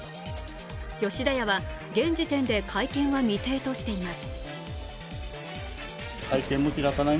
吉田屋は、現時点で会見は未定としています。